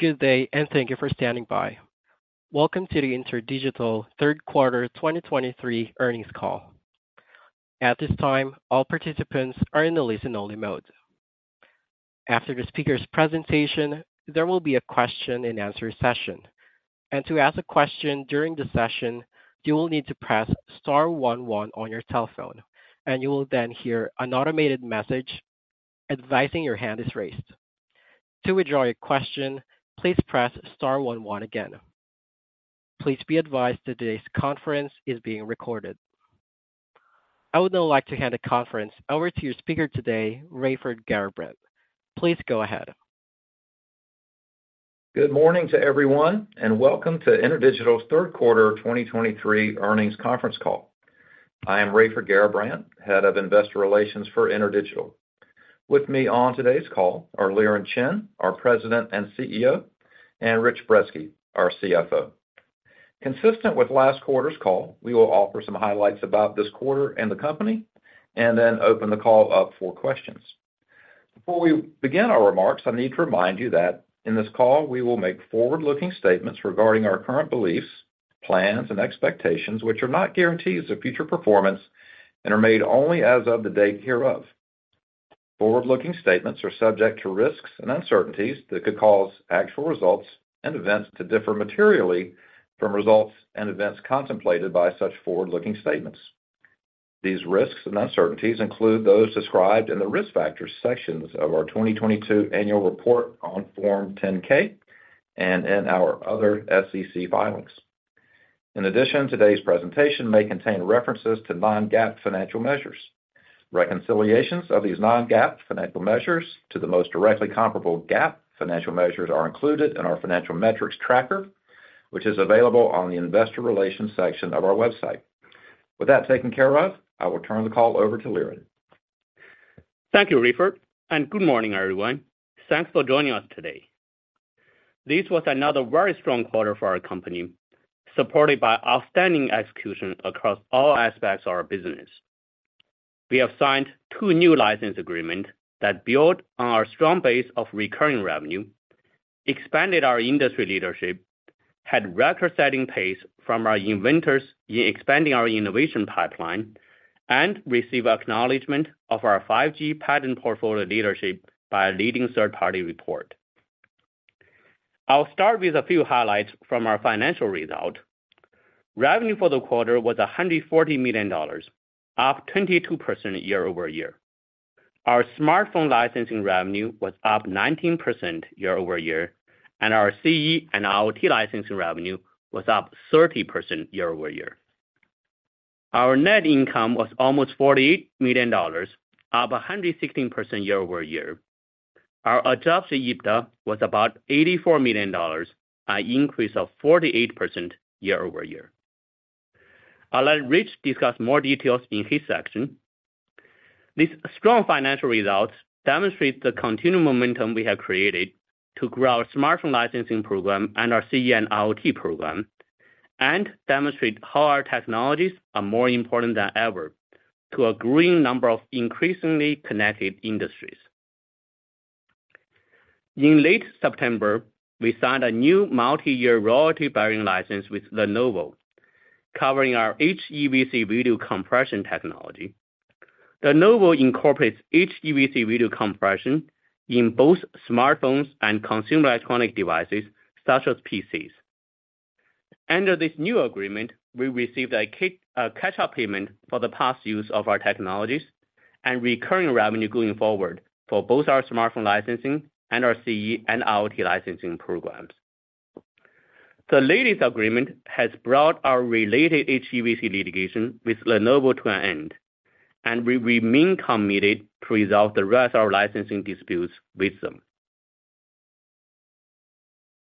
Good day, and thank you for standing by. Welcome to the InterDigital third quarter 2023 earnings call. At this time, all participants are in the listen-only mode. After the speaker's presentation, there will be a question and answer session. To ask a question during the session, you will need to press star one one on your telephone, and you will then hear an automated message advising your hand is raised. To withdraw your question, please press star one one again. Please be advised that today's conference is being recorded. I would now like to hand the conference over to your speaker today, Raiford Garrabrant. Please go ahead. Good morning to everyone, and welcome to InterDigital's third quarter 2023 earnings conference call. I am Raiford Garrabrant, Head of Investor Relations for InterDigital. With me on today's call are Liren Chen, our President and CEO, and Rich Brezski, our CFO. Consistent with last quarter's call, we will offer some highlights about this quarter and the company, and then open the call up for questions. Before we begin our remarks, I need to remind you that in this call, we will make forward-looking statements regarding our current beliefs, plans, and expectations, which are not guarantees of future performance and are made only as of the date hereof. Forward-looking statements are subject to risks and uncertainties that could cause actual results and events to differ materially from results and events contemplated by such forward-looking statements. These risks and uncertainties include those described in the Risk Factors sections of our 2022 Annual Report on Form 10-K and in our other SEC filings. In addition, today's presentation may contain references to non-GAAP financial measures. Reconciliations of these non-GAAP financial measures to the most directly comparable GAAP financial measures are included in our financial metrics tracker, which is available on the Investor Relations section of our website. With that taken care of, I will turn the call over to Liren. Thank you Raiford, and good morning, everyone. Thanks for joining us today. This was another very strong quarter for our company, supported by outstanding execution across all aspects of our business. We have signed two new license agreement that build on our strong base of recurring revenue, expanded our industry leadership, had record-setting pace from our inventors in expanding our innovation pipeline, and receive acknowledgement of our 5G patent portfolio leadership by a leading third-party report. I'll start with a few highlights from our financial result. Revenue for the quarter was $140 million, up 22% year-over-year. Our smartphone licensing revenue was up 19% year-over-year, and our CE and IoT licensing revenue was up 30% year-over-year. Our net income was almost $48 million, up 116% year-over-year. Our Adjusted EBITDA was about $84 million, an increase of 48% year-over-year. I'll let Rich discuss more details in his section. These strong financial results demonstrate the continued momentum we have created to grow our smartphone licensing program and our CE and IoT program and demonstrate how our technologies are more important than ever to a growing number of increasingly connected industries. In late September, we signed a new multi-year royalty bearing license with Lenovo, covering our HEVC video compression technology. Lenovo Incorporates HEVC video compression in both smartphones and consumer electronic devices, such as PCs. Under this new agreement, we received a catch-up payment for the past use of our technologies and recurring revenue going forward for both our smartphone licensing and our CE and IoT licensing programs. The latest agreement has brought our related HEVC litigation with Lenovo to an end, and we remain committed to resolve the rest of our licensing disputes with them.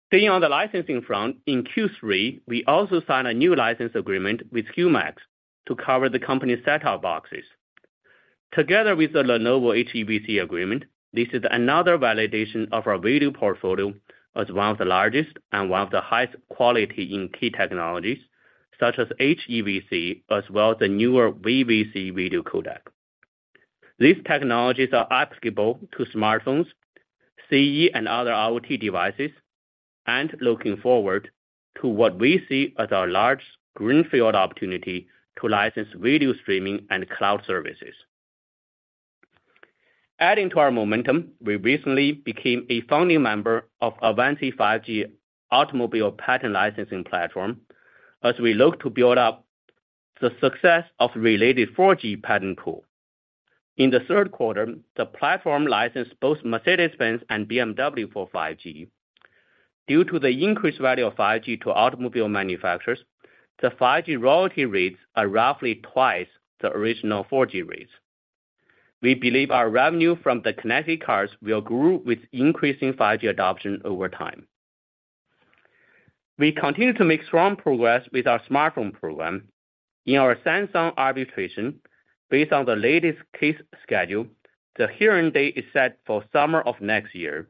Staying on the licensing front, in Q3, we also signed a new license agreement with Humax to cover the company's set-top boxes. Together with the Lenovo HEVC agreement, this is another validation of our video portfolio as one of the largest and one of the highest quality in key technologies, such as HEVC, as well as the newer VVC video codec. These technologies are applicable to smartphones, CE, and other IoT devices, and looking forward to what we see as our large greenfield opportunity to license video streaming and cloud services. Adding to our momentum, we recently became a founding member of Avanci 5G Automobile Patent Licensing Platform as we look to build up the success of related 4G patent pool. In the third quarter, the platform licensed both Mercedes-Benz and BMW for 5G. Due to the increased value of 5G to automobile manufacturers, the 5G royalty rates are roughly twice the original 4G rates. We believe our revenue from the connected cars will grow with increasing 5G adoption over time. We continue to make strong progress with our smartphone program. In our Samsung arbitration, based on the latest case schedule, the hearing date is set for summer of next year,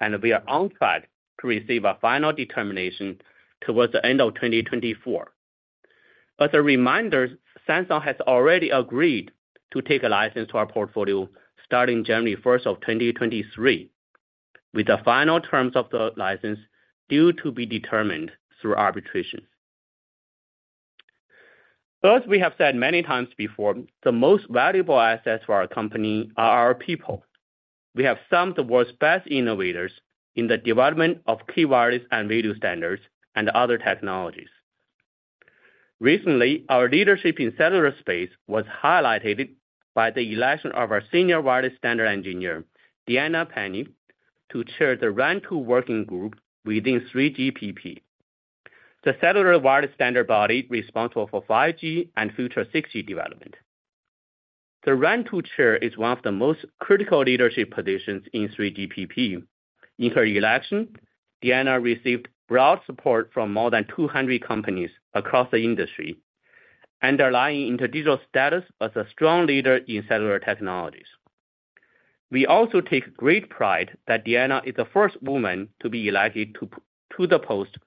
and we are on track to receive a final determination towards the end of 2024. A reminder, Samsung has already agreed to take a license to our portfolio starting January 1st, 2023, with the final terms of the license due to be determined through arbitration. As we have said many times before, the most valuable assets for our company are our people. We have some of the world's best innovators in the development of key wireless and video standards and other technologies. Recently, our leadership in cellular space was highlighted by the election of our senior wireless standard engineer, Diana Pani, to chair the RAN2 working group within 3GPP, the cellular wireless standard body responsible for 5G and future 6G development. The RAN2 chair is one of the most critical leadership positions in 3GPP. In her election, Diana received broad support from more than 200 companies across the industry, underlying InterDigital's status as a strong leader in cellular technologies. We also take great pride that Diana is the first woman to be elected to the post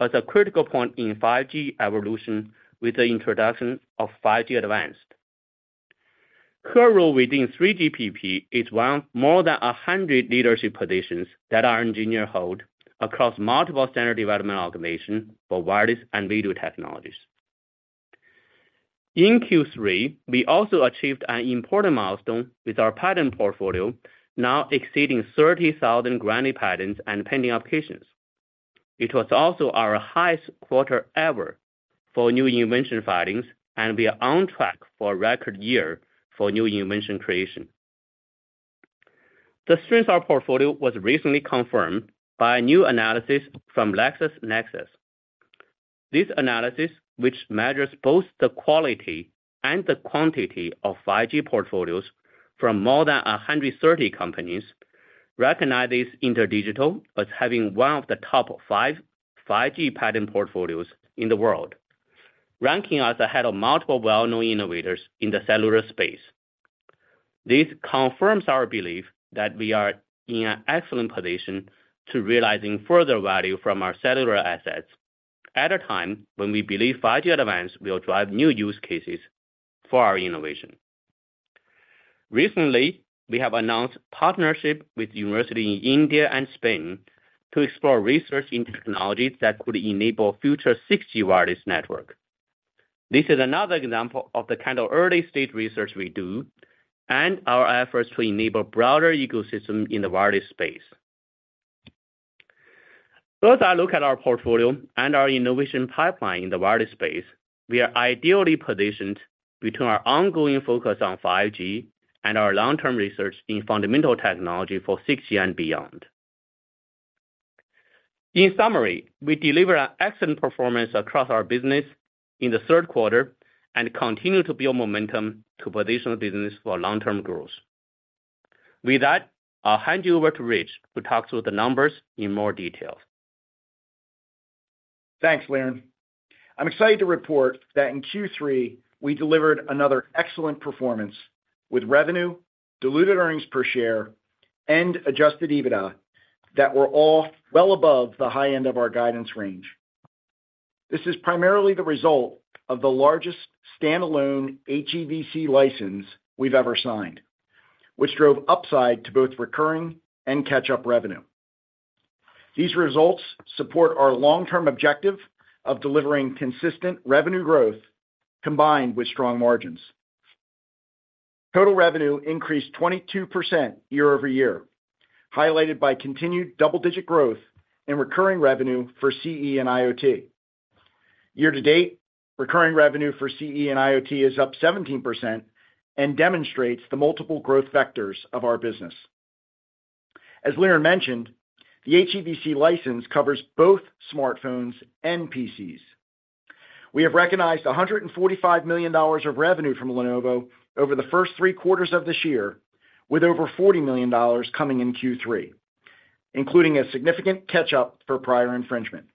at a critical point in 5G evolution with the introduction of 5G Advanced. Her role within 3GPP is one of more than 100 leadership positions that our engineers hold across multiple standard development organizations for wireless and video technologies. In Q3, we also achieved an important milestone with our patent portfolio now exceeding 30,000 granted patents and pending applications. It was also our highest quarter ever for new invention filings, and we are on track for a record year for new invention creation. The strength of our portfolio was recently confirmed by a new analysis from LexisNexis. This analysis, which measures both the quality and the quantity of 5G portfolios from more than 130 companies, recognizes InterDigital as having one of the top five 5G patent portfolios in the world, ranking us ahead of multiple well-known innovators in the cellular space. This confirms our belief that we are in an excellent position to realizing further value from our cellular assets at a time when we believe 5G Advanced will drive new use cases for our innovation. Recently, we have announced partnership with university in India and Spain to explore research in technologies that could enable future 6G wireless network. This is another example of the kind of early-stage research we do, and our efforts to enable broader ecosystem in the wireless space. As I look at our portfolio and our innovation pipeline in the wireless space, we are ideally positioned between our ongoing focus on 5G and our long-term research in fundamental technology for 6G and beyond. In summary, we delivered an excellent performance across our business in the third quarter and continue to build momentum to position the business for long-term growth. With that, I'll hand you over to Rich, who talks about the numbers in more detail. Thanks, Liren. I'm excited to report that in Q3, we delivered another excellent performance with revenue, diluted earnings per share, and adjusted EBITDA that were all well above the high end of our guidance range. This is primarily the result of the largest standalone HEVC license we've ever signed, which drove upside to both recurring and catch-up revenue. These results support our long-term objective of delivering consistent revenue growth combined with strong margins. Total revenue increased 22% year-over-year, highlighted by continued double-digit growth in recurring revenue for CE and IoT. Year to date, recurring revenue for CE and IoT is up 17% and demonstrates the multiple growth vectors of our business. As Liren mentioned, the HEVC license covers both smartphones and PCs. We have recognized $145 million of revenue from Lenovo over the first three quarters of this year, with over $40 million coming in Q3, including a significant catch-up for prior infringement.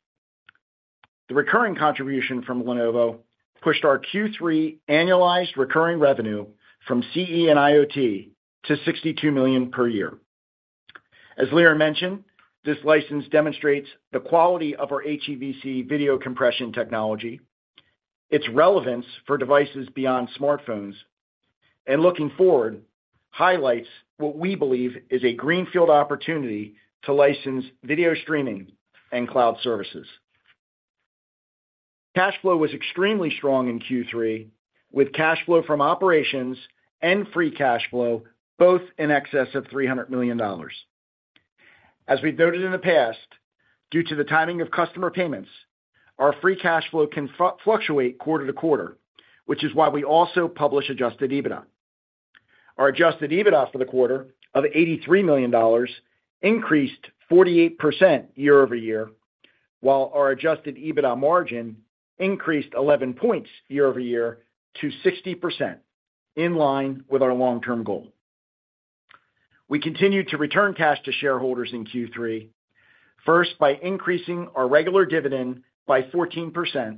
The recurring contribution from Lenovo pushed our Q3 annualized recurring revenue from CE and IoT to $62 million per year. As Liren mentioned, this license demonstrates the quality of our HEVC video compression technology, its relevance for devices beyond smartphones, and looking forward, highlights what we believe is a greenfield opportunity to license video streaming and cloud services. Cash flow was extremely strong in Q3, with cash flow from operations and free cash flow both in excess of $300 million. As we've noted in the past, due to the timing of customer payments, our free cash flow can fluctuate quarter to quarter, which is why we also publish adjusted EBITDA. Our adjusted EBITDA for the quarter of $83 million increased 48% year-over-year, while our adjusted EBITDA margin increased 11 points year-over-year to 60%, in line with our long-term goal. We continued to return cash to shareholders in Q3, first by increasing our regular dividend by 14%,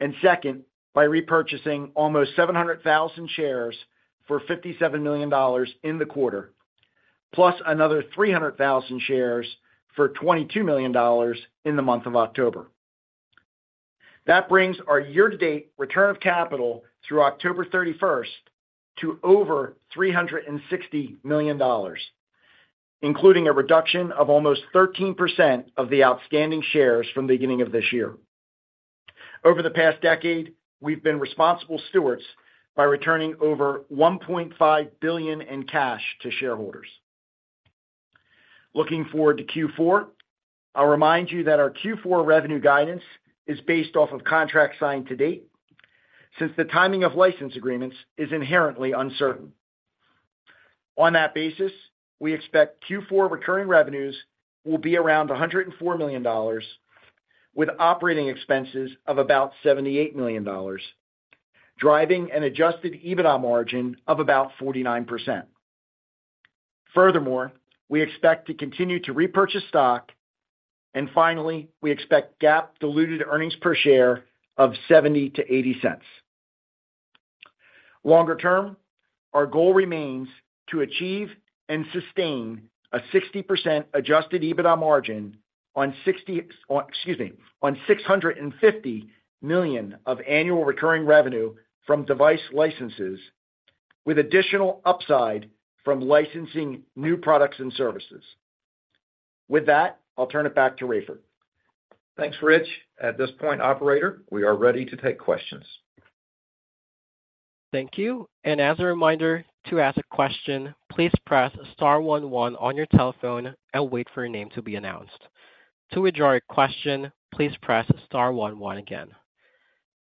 and second, by repurchasing almost 700,000 shares for $57 million in the quarter, plus another 300,000 shares for $22 million in the month of October. That brings our year-to-date return of capital through October 31st to over $360 million, including a reduction of almost 13% of the outstanding shares from the beginning of this year. Over the past decade, we've been responsible stewards by returning over $1.5 billion in cash to Shareholders. Looking forward to Q4, I'll remind you that our Q4 revenue guidance is based off of contracts signed to date, since the timing of license agreements is inherently uncertain. On that basis, we expect Q4 recurring revenues will be around $104 million, with operating expenses of about $78 million, driving an adjusted EBITDA margin of about 49%. Furthermore, we expect to continue to repurchase stock, and finally, we expect GAAP diluted earnings per share of $0.70-$0.80. Longer term, our goal remains to achieve and sustain a 60% adjusted EBITDA margin on 60, excuse me, on $650 million of annual recurring revenue from device licenses, with additional upside from licensing new products and services. With that, I'll turn it back to Raiford. Thanks, Rich. At this point, operator, we are ready to take questions. Thank you and as a reminder, to ask a question, please press star one on your telephone and wait for your name to be announced. To withdraw your question, please press star one one again.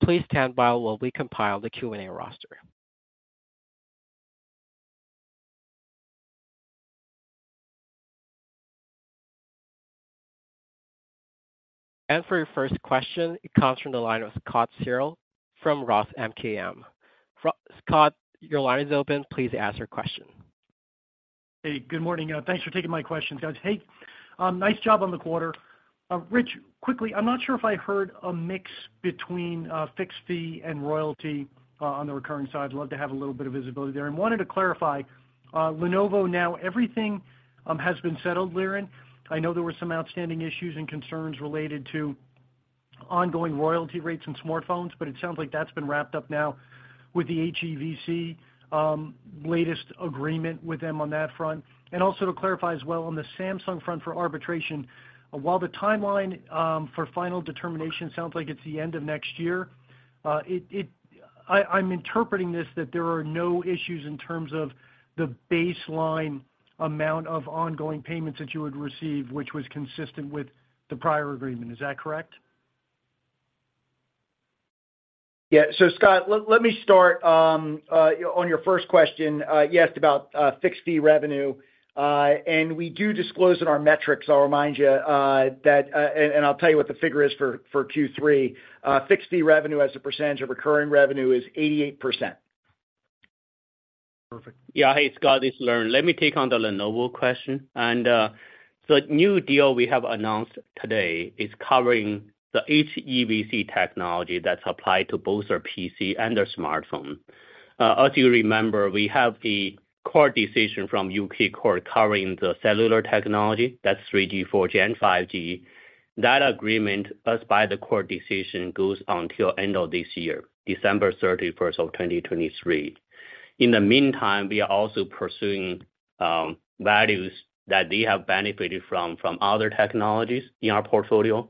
Please stand by while we compile the Q&A roster. And for your first question, it comes from the line of Scott Searle from Roth MKM. Scott, your line is open. Please ask your question. Hey, good morning, and thanks for taking my questions, guys. Hey, nice job on the quarter. Rich, quickly, I'm not sure if I heard a mix between fixed fee and royalty on the recurring side. I'd love to have a little bit of visibility there. And wanted to clarify, Lenovo now, everything has been settled, Liren? I know there were some outstanding issues and concerns related to ongoing royalty rates in smartphones, but it sounds like that's been wrapped up now with the HEVC latest agreement with them on that front. And also to clarify as well, on the Samsung front for arbitration, while the timeline for final determination sounds like it's the end of next year, it. I'm interpreting this that there are no issues in terms of the baseline amount of ongoing payments that you would receive, which was consistent with the prior agreement. Is that correct? Yeah. So Scott, let me start on your first question. You asked about fixed fee revenue, and we do disclose in our metrics, I'll remind you, that and I'll tell you what the figure is for Q3. Fixed fee revenue as a percentage of recurring revenue is 88%. Perfect. Yeah. Hey, Scott, it's Liren. Let me take on the Lenovo question. And, the new deal we have announced today is covering the HEVC technology that's applied to both their PC and their smartphone. As you remember, we have the court decision from U.K. court covering the cellular technology. That's 3G, 4G, and 5G. That agreement, as by the court decision, goes until end of this year, December 31st, 2023. In the meantime, we are also pursuing values that they have benefited from, from other technologies in our portfolio,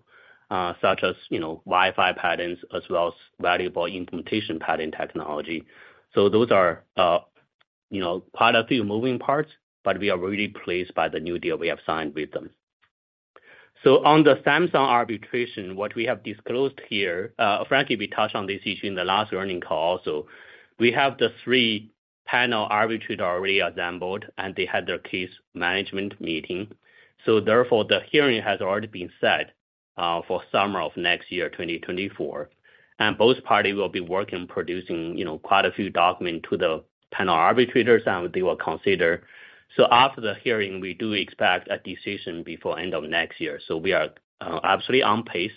such as, you know, Wi-Fi patents, as well as valuable implementation patent technology. So those are, you know, quite a few moving parts, but we are really pleased by the new deal we have signed with them. So on the Samsung arbitration, what we have disclosed here, frankly, we touched on this issue in the last earnings call also. We have the three-panel arbitrator already assembled, and they had their case management meeting. So therefore, the hearing has already been set for summer of next year, 2024. And both parties will be working on producing, you know, quite a few documents to the panel arbitrators, and they will consider. So after the hearing, we do expect a decision before end of next year. So we are absolutely on pace,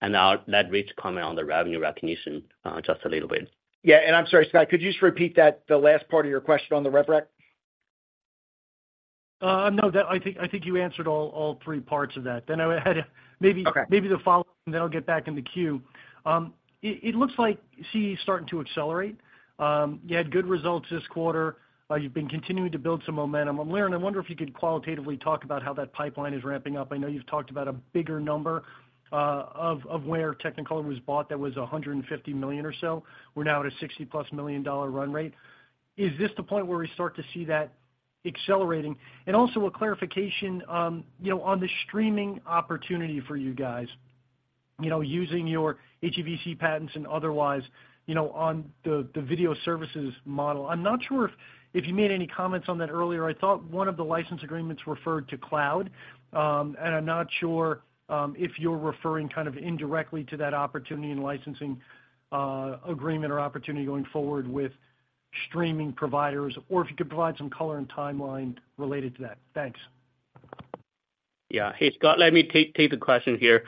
and I'll let Rich comment on the revenue recognition just a little bit. Yeah, and I'm sorry, Scott. Could you just repeat that, the last part of your question on the rev rec? No, that I think, I think you answered all three parts of that. Then I had maybe— Okay. Maybe the following, then I'll get back in the queue. It looks like CE is starting to accelerate. You had good results this quarter. You've been continuing to build some momentum. Liren, I wonder if you could qualitatively talk about how that pipeline is ramping up. I know you've talked about a bigger number of where Technicolor was bought, that was $150 million or so. We're now at a $60+ million run rate. Is this the point where we start to see that accelerating? And also a clarification, you know, on the streaming opportunity for you guys, you know, using your HEVC patents and otherwise, you know, on the video services model. I'm not sure if you made any comments on that earlier. I thought one of the license agreements referred to cloud, and I'm not sure if you're referring kind of indirectly to that opportunity in licensing agreement or opportunity going forward with streaming providers, or if you could provide some color and timeline related to that. Thanks. Yeah. Hey, Scott, let me take the question here.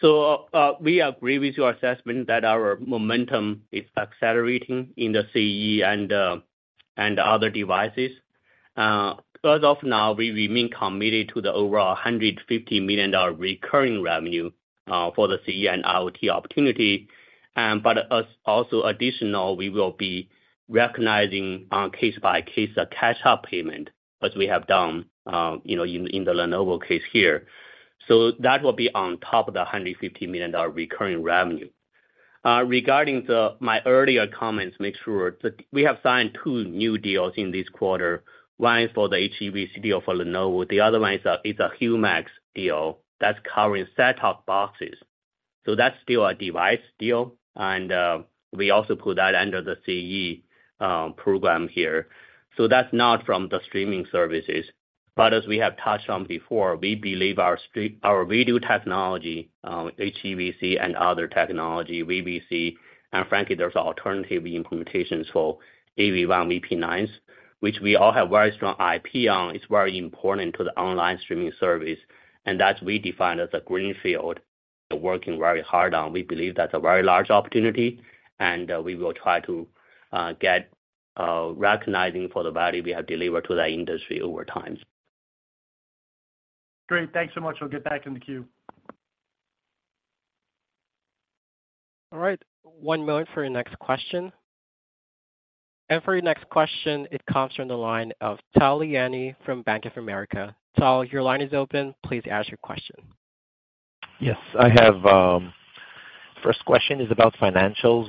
So, we agree with your assessment that our momentum is accelerating in the CE and other devices. As of now, we remain committed to the overall $150 million recurring revenue for the CE and IoT opportunity. But as also additional, we will be recognizing on case-by-case a catch-up payment, as we have done, you know, in the Lenovo case here. So that will be on top of the $150 million recurring revenue. Regarding my earlier comments, make sure that we have signed two new deals in this quarter, one is for the HEVC deal for Lenovo. The other one is a Humax deal that's covering set-top boxes. So that's still a device deal, and we also put that under the CE program here. So that's not from the streaming services. But as we have touched on before, we believe our video technology, HEVC and other technology, VVC, and frankly, there's alternative implementations for AV1, VP9, which we all have very strong IP on, is very important to the online streaming service. And that's we defined as a greenfield, and working very hard on. We believe that's a very large opportunity, and we will try to get recognizing for the value we have delivered to that industry over time. Great. Thanks so much. We'll get back in the queue. All right, one moment for your next question. For your next question, it comes from the line of Tal Liani from Bank of America. Tal, your line is open. Please ask your question. Yes, I have, first question is about financials.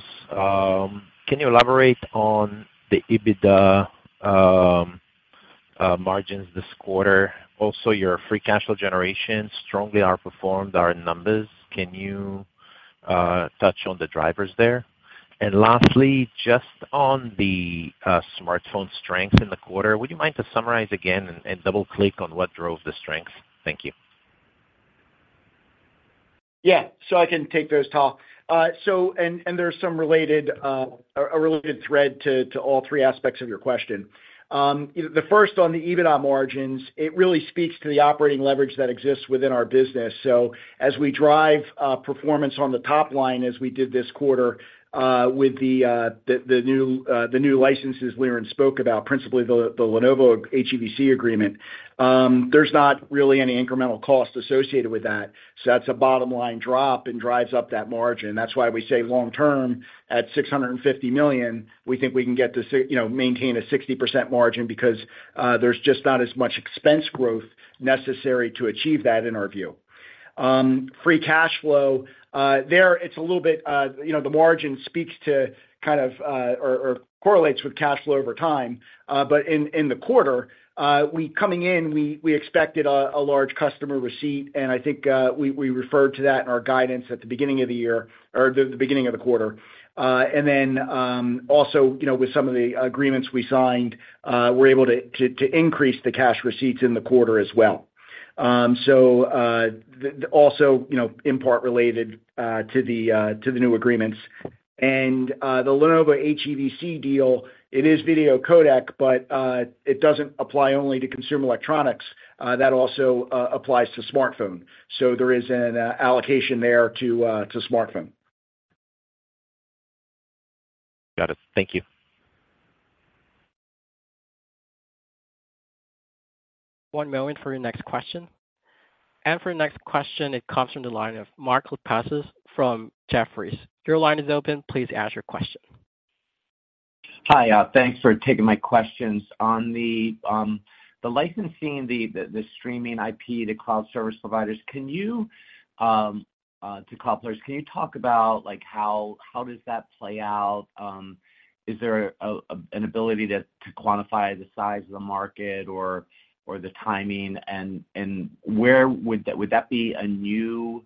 Can you elaborate on the EBITDA margins this quarter? Also, your free cash flow generation strongly outperformed our numbers. Can you touch on the drivers there? And lastly, just on the smartphone strength in the quarter, would you mind to summarize again and double-click on what drove the strength? Thank you. Yeah, so I can take those, Tal. So, and there's some related, a related thread to all three aspects of your question. You know, the first on the EBITDA margins, it really speaks to the operating leverage that exists within our business. So as we drive performance on the top line, as we did this quarter, with the new licenses Liren spoke about, principally the Lenovo HEVC agreement, there's not really any incremental cost associated with that. So that's a bottom line drop and drives up that margin. That's why we say long term, at $650 million, we think we can get to, you know, maintain a 60% margin because there's just not as much expense growth necessary to achieve that, in our view. Free cash flow, there, it's a little bit, you know, the margin speaks to kind of, or correlates with cash flow over time. But in the quarter, we coming in, we expected a large customer receipt, and I think, we referred to that in our guidance at the beginning of the year or the beginning of the quarter. And then, also, you know, with some of the agreements we signed, we're able to increase the cash receipts in the quarter as well. So, also, you know, in part related to the new agreements. And, the Lenovo HEVC deal, it is video codec, but, it doesn't apply only to consumer electronics, that also applies to smartphone. There is an allocation there to smartphone. Got it. Thank you. One moment for your next question. For your next question, it comes from the line of Mark Lipacis from Jefferies. Your line is open, please ask your question. Hi, thanks for taking my questions. On the licensing, the streaming IP, the cloud service providers, can you to cobblers, can you talk about, like, how does that play out? Is there an ability to quantify the size of the market or the timing? And where would that--would that be a new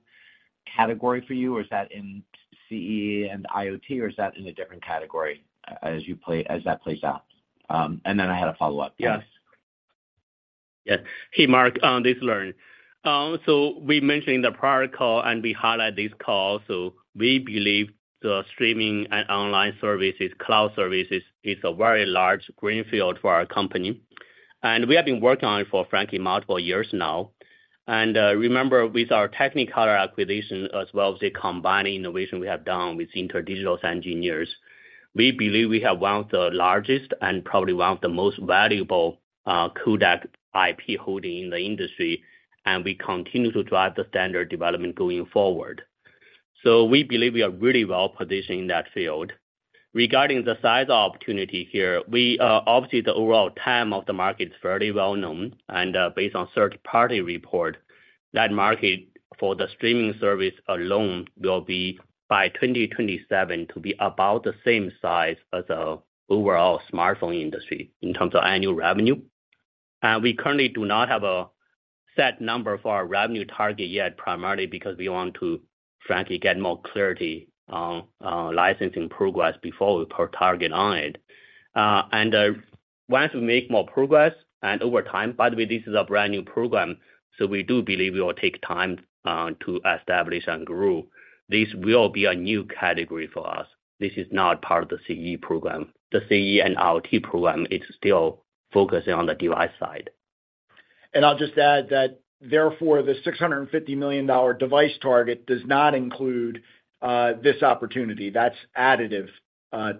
category for you, or is that in CE and IoT, or is that in a different category as that plays out? And then I had a follow-up. Yes. Yeah. Hey, Mark, this is Liren. So we mentioned in the prior call, and we highlight this call, so we believe the streaming and online services, cloud services, is a very large greenfield for our company. And we have been working on it for, frankly, multiple years now. And remember, with our Technicolor acquisition, as well as the combining innovation we have done with InterDigital's engineers, we believe we have one of the largest and probably one of the most valuable, codec IP holding in the industry, and we continue to drive the standard development going forward. So we believe we are really well-positioned in that field. Regarding the size opportunity here, we obviously, the overall TAM of the market is fairly well known, and based on third-party report, that market for the streaming service alone will be, by 2027, to be about the same size as the overall smartphone industry in terms of annual revenue. We currently do not have a set number for our revenue target yet, primarily because we want to, frankly, get more clarity on licensing progress before we put target on it. Once we make more progress and over time, by the way, this is a brand-new program, so we do believe it will take time to establish and grow. This will be a new category for us. This is not part of the CE program. The CE and IoT program is still focusing on the device side.... And I'll just add that, therefore, the $650 million device target does not include this opportunity. That's additive to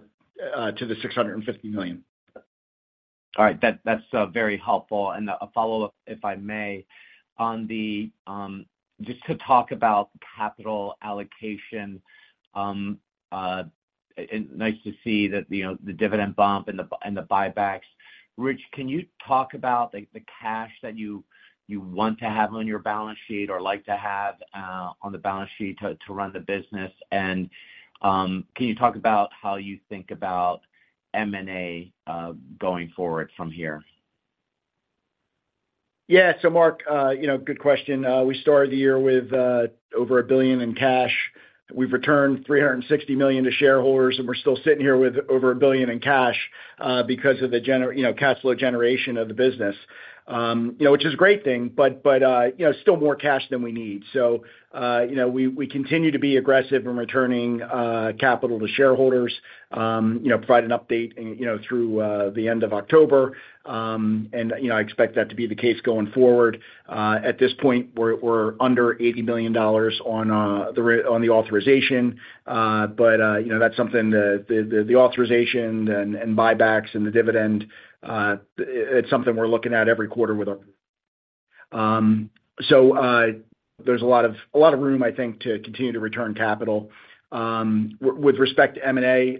the $650 million. All right, that's very helpful. And a follow-up, if I may, on just to talk about capital allocation, and nice to see that, you know, the dividend bump and the buybacks. Rich, can you talk about the cash that you want to have on your balance sheet or like to have on the balance sheet to run the business? And can you talk about how you think about M&A going forward from here? Yeah. So Mark, you know, good question. We started the year with over $1 billion in cash. We've returned $360 million to shareholders, and we're still sitting here with over $1 billion in cash, because of the gener—you know, cash flow generation of the business. You know, which is a great thing, but, but, you know, still more cash than we need. So, you know, we, we continue to be aggressive in returning, capital to shareholders. You know, provide an update and, you know, through, the end of October, and, you know, I expect that to be the case going forward. At this point, we're under $80 million on the authorization, but, you know, that's something the authorization and buybacks and the dividend, it's something we're looking at every quarter with our. So, there's a lot of room, I think, to continue to return capital. With respect to M&A,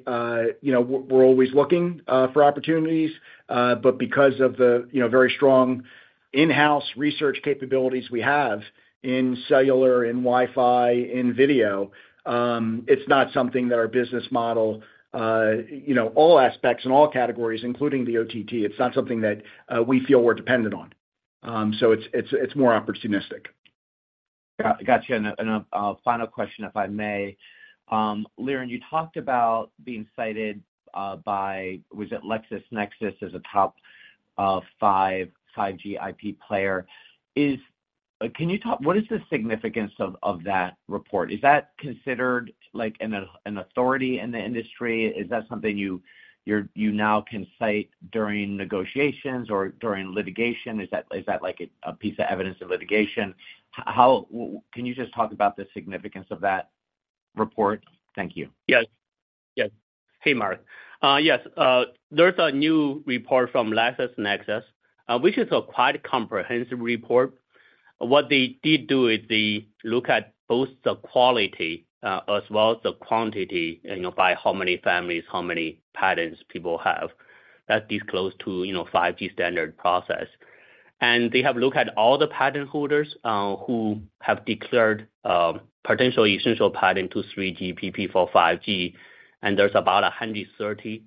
you know, we're always looking for opportunities, but because of the, you know, very strong in-house research capabilities we have in cellular, in Wi-Fi, in video, it's not something that our business model, you know, all aspects in all categories, including the OTT, it's not something that we feel we're dependent on. So it's more opportunistic. Got you. And a final question, if I may. Liren, you talked about being cited by, was it LexisNexis, as a top five 5G IP player. Can you talk... What is the significance of that report? Is that considered like an authority in the industry? Is that something you now can cite during negotiations or during litigation? Is that like a piece of evidence in litigation? How can you just talk about the significance of that report? Thank you. Yes. Yes. Hey, Mark. Yes, there's a new report from LexisNexis, which is a quite comprehensive report. What they did do is they look at both the quality, as well as the quantity, you know, by how many families, how many patents people have, that is close to, you know, 5G standard process. And they have looked at all the patent holders, who have declared potential essential patent to 3GPP for 5G, and there's about 130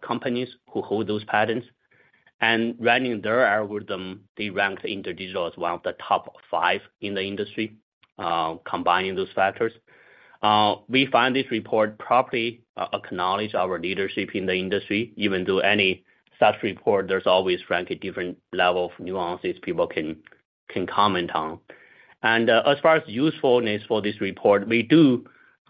companies who hold those patents. And running their algorithm, they ranked InterDigital as one of the top five in the industry, combining those factors. We find this report properly acknowledge our leadership in the industry, even though any such report, there's always, frankly, different level of nuances people can comment on. As far as usefulness for this report, we do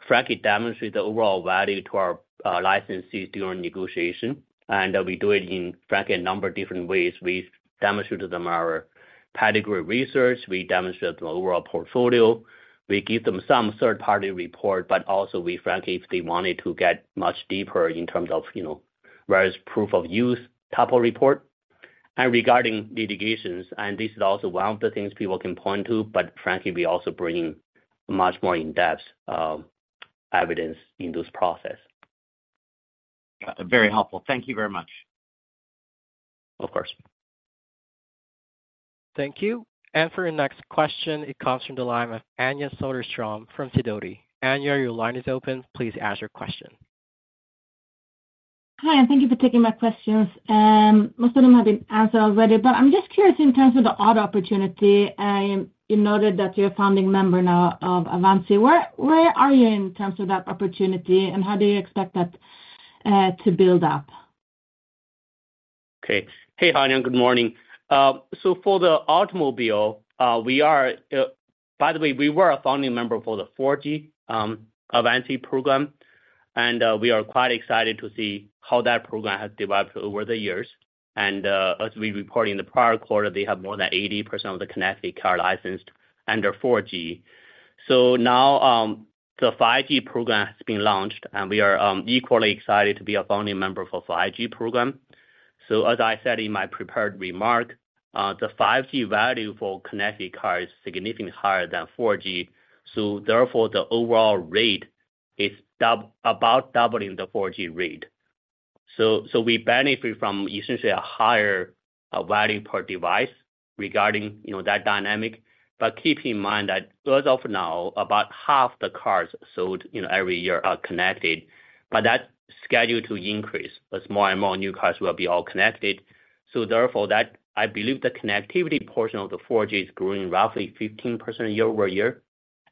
frankly demonstrate the overall value to our licensees during negotiation, and we do it in, frankly, a number of different ways. We demonstrate to them our pedigree research, we demonstrate the overall portfolio, we give them some third-party report, but also we, frankly, if they wanted to get much deeper in terms of, you know, various proof of use type of report. And regarding litigations, and this is also one of the things people can point to, but frankly, we also bring much more in-depth evidence in this process. Very helpful. Thank you very much. Of course. Thank you. For your next question, it comes from the line of Anja Soderstrom from Sidoti. Anja, your line is open. Please ask your question. Hi, and thank you for taking my questions. Most of them have been answered already, but I'm just curious in terms of the auto opportunity. You noted that you're a founding member now of Avanci. Where, where are you in terms of that opportunity, and how do you expect that to build up? Okay. Hey, Anja, good morning. So for the automobile, we are, by the way, we were a founding member for the 4G Avanci program, and we are quite excited to see how that program has developed over the years. And as we reported in the prior quarter, they have more than 80% of the connected car licensed under 4G. So now, the 5G program has been launched, and we are equally excited to be a founding member of 5G program. So as I said in my prepared remark, the 5G value for connected car is significantly higher than 4G, so therefore, the overall rate is about doubling the 4G rate. So we benefit from essentially a higher value per device regarding, you know, that dynamic. But keep in mind that as of now, about half the cars sold, you know, every year are connected, but that's scheduled to increase as more and more new cars will be all connected. So therefore, that, I believe the connectivity portion of the 4G is growing roughly 15% year-over-year,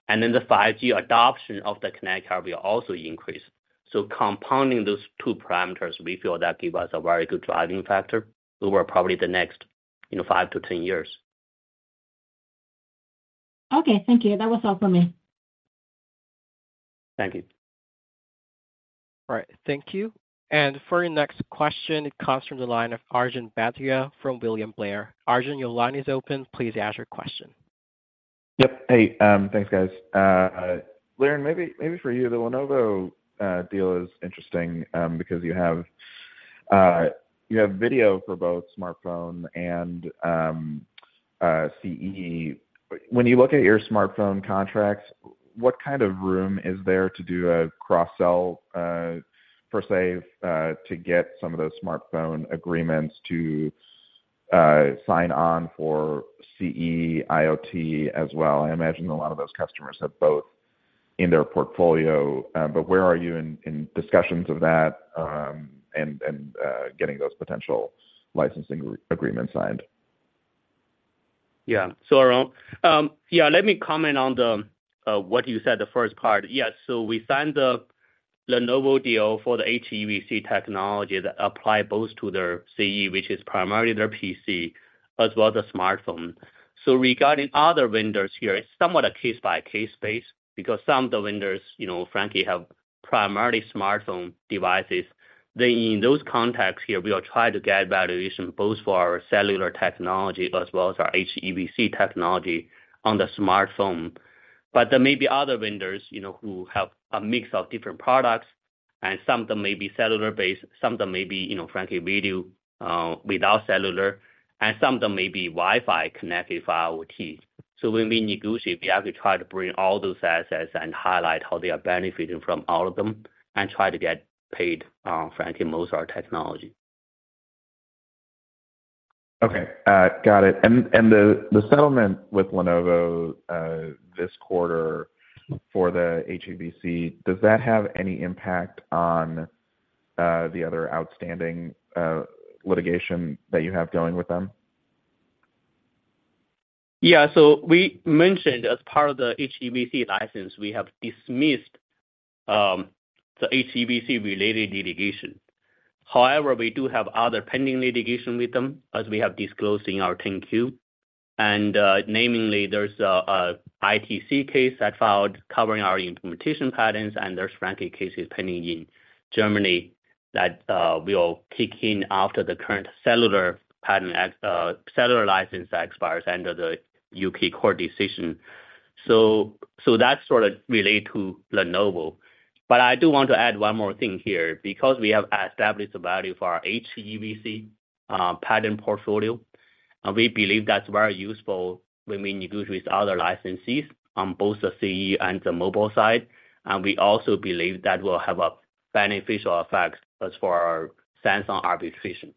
and then the 5G adoption of the connected car will also increase. So compounding those two parameters, we feel that give us a very good driving factor over probably the next, you know, five to 10 years. ... Okay, thank you. That was all for me. Thank you. All right, thank you. And for your next question, it comes from the line of Arjun Bhatia from William Blair. Arjun, your line is open. Please ask your question. Yep. Hey, thanks, guys. Liren, maybe, maybe for you, the Lenovo deal is interesting, because you have, you have video for both smartphone and CE. When you look at your smartphone contracts, what kind of room is there to do a cross-sell, per se, to get some of those smartphone agreements to sign on for CE, IoT as well? I imagine a lot of those customers have both in their portfolio. But where are you in, in discussions of that, and, and getting those potential licensing agreements signed? Yeah. So, yeah, let me comment on the what you said, the first part. Yes, so we signed the Lenovo deal for the HEVC technology that apply both to their CE, which is primarily their PC, as well as a smartphone. So regarding other vendors here, it's somewhat a case-by-case basis because some of the vendors, you know, frankly, have primarily smartphone devices. In those contexts here, we are trying to get valuation both for our cellular technology as well as our HEVC technology on the smartphone. But there may be other vendors, you know, who have a mix of different products, and some of them may be cellular-based, some of them may be, you know, frankly, video without cellular, and some of them may be Wi-Fi connected for IoT. So when we negotiate, we have to try to bring all those assets and highlight how they are benefiting from all of them and try to get paid, frankly, most of our technology. Okay, got it. And the settlement with Lenovo this quarter for the HEVC, does that have any impact on the other outstanding litigation that you have going with them? Yeah, so we mentioned as part of the HEVC license, we have dismissed the HEVC-related litigation. However, we do have other pending litigation with them, as we have disclosed in our 10-Q. And, namely, there's an ITC case that filed covering our implementation patents, and there are cases pending in Germany that will kick in after the current cellular patent cellular license expires under the UK court decision. So that sort of relate to Lenovo. But I do want to add one more thing here. Because we have established a value for our HEVC patent portfolio, we believe that's very useful when we negotiate with other licensees on both the CE and the mobile side. And we also believe that will have a beneficial effect as for our Samsung arbitration.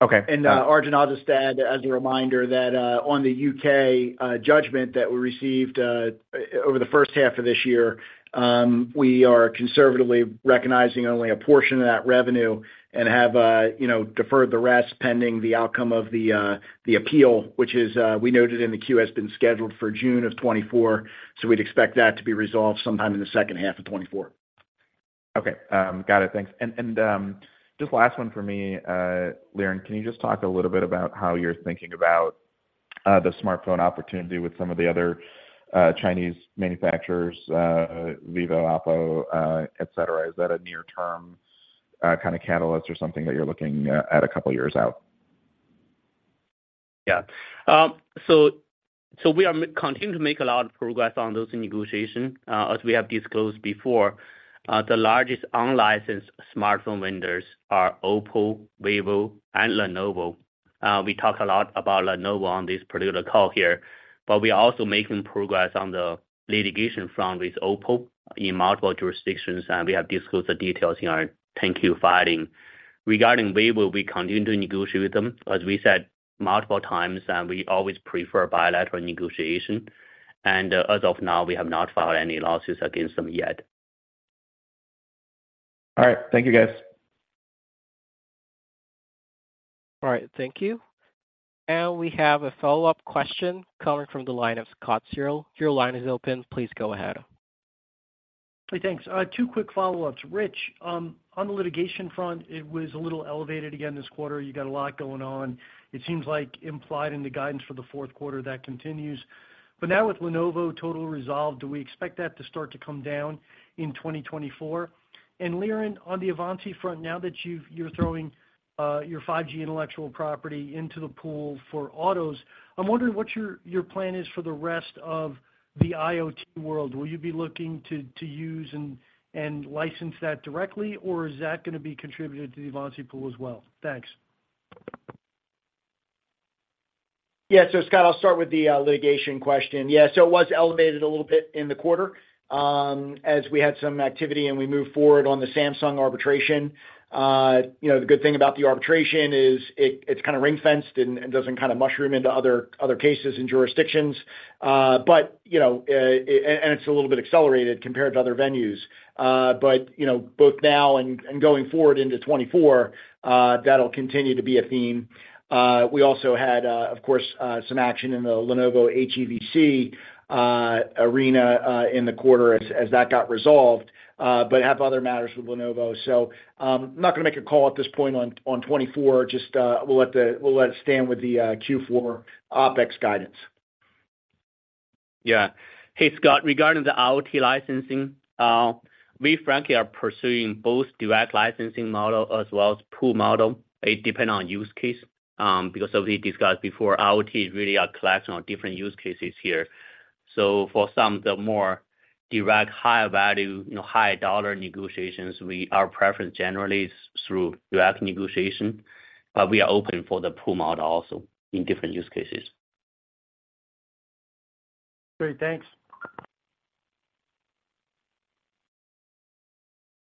Okay. Arjun, I'll just add as a reminder that, on the U.K. judgment that we received over the first half of this year, we are conservatively recognizing only a portion of that revenue and have, you know, deferred the rest, pending the outcome of the appeal, which we noted in the Q has been scheduled for June of 2024. So we'd expect that to be resolved sometime in the second half of 2024. Okay, got it. Thanks. And, just last one for me, Liren, can you just talk a little bit about how you're thinking about the smartphone opportunity with some of the other Chinese manufacturers, Vivo, Oppo, etc.? Is that a near-term kind of catalyst or something that you're looking at, a couple of years out? Yeah. So, so we are continuing to make a lot of progress on those negotiations. As we have disclosed before, the largest unlicensed smartphone vendors are Oppo, Vivo, and Lenovo. We talked a lot about Lenovo on this particular call here, but we are also making progress on the litigation front with Oppo in multiple jurisdictions, and we have disclosed the details in our 10-Q filing. Regarding Vivo, we continue to negotiate with them, as we said multiple times, and we always prefer bilateral negotiation. And, as of now, we have not filed any lawsuits against them yet. All right. Thank you, guys. All right. Thank you. Now we have a follow-up question coming from the line of Scott Searle. Your line is open. Please go ahead. Hey, thanks. Two quick follow-ups. Rich, on the litigation front, it was a little elevated again this quarter. You got a lot going on. It seems like implied in the guidance for the fourth quarter, that continues. But now with Lenovo total resolved, do we expect that to start to come down in 2024? And Liren, on the Avanci front, now that you're throwing your 5G intellectual property into the pool for autos, I'm wondering what your plan is for the rest of the IoT world. Will you be looking to use and license that directly, or is that gonna be contributed to the Avanci pool as well? Thanks. Yeah. So, Scott, I'll start with the litigation question. Yeah, so it was elevated a little bit in the quarter, as we had some activity, and we moved forward on the Samsung arbitration. You know, the good thing about the arbitration is it's kinda ring-fenced and doesn't kinda mushroom into other cases and jurisdictions. But, you know, and it's a little bit accelerated compared to other venues. But, you know, both now and going forward into 2024, that'll continue to be a theme. We also had, of course, some action in the Lenovo HEVC arena, in the quarter as that got resolved, but have other matters with Lenovo. So, I'm not gonna make a call at this point on 2024. Just, we'll let it stand with the Q4 OpEx guidance. Yeah. Hey, Scott, regarding the IoT licensing, we frankly are pursuing both direct licensing model as well as pool model. It depend on use case, because as we discussed before, IoT is really a collection of different use cases here. So for some, the more direct, higher value, you know, high dollar negotiations, our preference generally is through direct negotiation, but we are open for the pool model also in different use cases. Great. Thanks.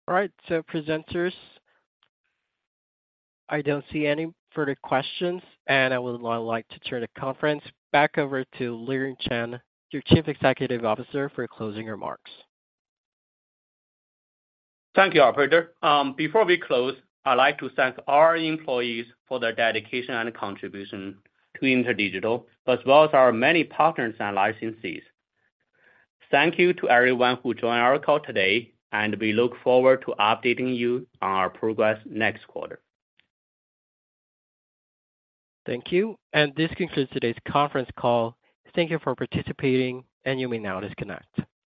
All right, so presenters, I don't see any further questions, and I would now like to turn the conference back over to Liren Chen, your Chief Executive Officer, for closing remarks. Thank you, operator. Before we close, I'd like to thank our employees for their dedication and contribution to InterDigital, as well as our many partners and licensees. Thank you to everyone who joined our call today, and we look forward to updating you on our progress next quarter. Thank you. This concludes today's conference call. Thank you for participating, and you may now disconnect.